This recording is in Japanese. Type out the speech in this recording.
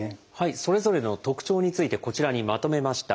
それぞれの特徴についてこちらにまとめました。